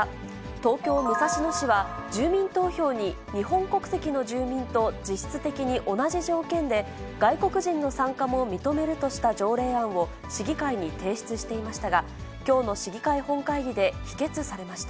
東京・武蔵野市は、住民投票に日本国籍の住民と実質的に同じ条件で、外国人の参加も認めるとした条例案を市議会に提出していましたが、きょうの市議会本会議で否決されました。